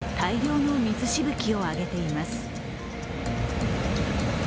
走行する車は大量の水しぶきを上げています。